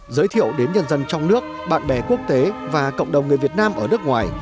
giới thiệu đến nhân dân trong nước bạn bè quốc tế và cộng đồng người việt nam ở nước ngoài